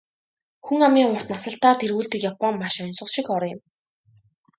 Хүн амын урт наслалтаар тэргүүлдэг Япон маш оньсого шиг орон.